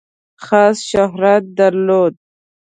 خاص شهرت درلود.